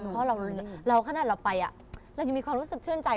เพราะเราขนาดเราไปเรายังมีความรู้สึกชื่นใจ